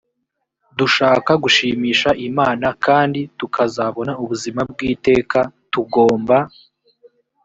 dushaka gushimisha imana kandi tukazabona ubuzima bw iteka tugomba